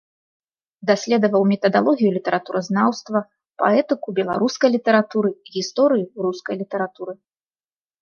Даследаваў метадалогію літаратуразнаўства, паэтыку беларускай літаратуры, гісторыю рускай літаратуры.